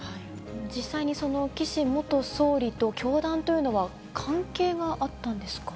実際に、その岸元総理と教団というのは、関係があったんですか。